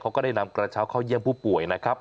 ก็ได้นำกระเช้าเข้าเยี่ยมผู้ป่วยนะครับ